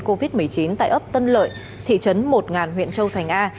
covid một mươi chín tại ấp tân lợi thị trấn một huyện châu thành a